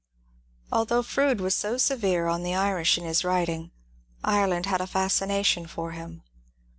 Although Froude was so severe on the Irish in his vmting, Ireland had a fascination for him.